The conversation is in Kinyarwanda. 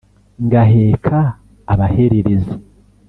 Ngaheka abahererezi.